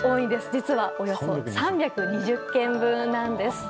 実はおよそ３２０軒分なんです。